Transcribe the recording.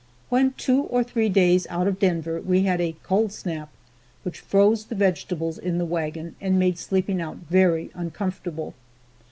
When two or three days out of Denver we had a "cold snap" which froze the vegetables in the wagon and made sleeping out very uncomfortable.